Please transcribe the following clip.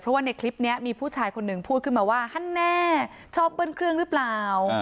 เพราะว่าในคลิปนี้มีผู้ชายคนหนึ่งพูดขึ้นมาว่าฮันแน่ชอบเบิ้ลเครื่องหรือเปล่า